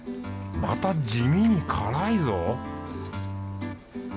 また地味に辛いぞ